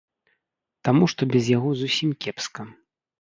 Таму што без яго зусім кепска.